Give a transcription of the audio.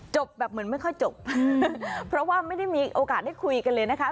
จบแบบเหมือนไม่ค่อยจบเพราะว่าไม่ได้มีโอกาสได้คุยกันเลยนะคะ